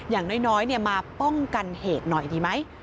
อย่างน้อยมาป้องกันเหตุหน่อยดีไหม